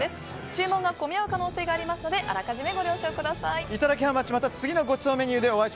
注目が込み合う可能性がありますので予めご了承ください。